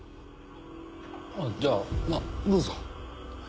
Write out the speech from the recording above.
じゃあまあどうぞ。